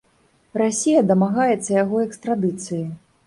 Расія дамагаецца яго экстрадыцыі.